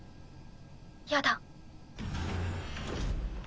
やだ。